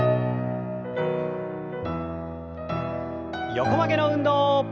横曲げの運動。